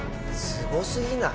すごすぎない！？